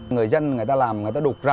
người dân người ta làm người ta đục ra